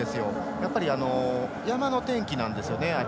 やっぱり、山の天気なんですよね。